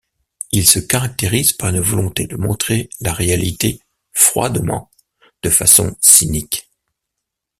Il se caractérise par une volonté de montrer la réalité froidement, de façon cynique.